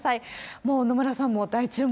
もう、野村さんも大注目？